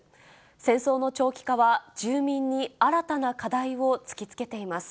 戦争の長期化は、住民に新たな課題を突きつけています。